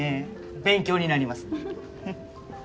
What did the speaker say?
勉強になります。